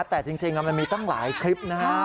แต่จริงมันมีตั้งหลายคลิปนะฮะ